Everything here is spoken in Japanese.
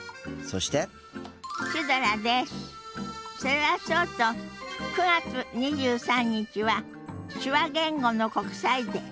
それはそうと９月２３日は手話言語の国際デー。